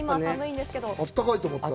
あったかいと思ったら。